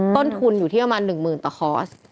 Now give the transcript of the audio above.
ต้นทุนอยู่ที่ประมาณหนึ่งหมื่นต่อคอร์ส